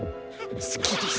すきです！